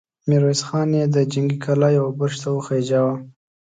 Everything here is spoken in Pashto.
ميرويس خان يې د جنګي کلا يوه برج ته وخېژاوه!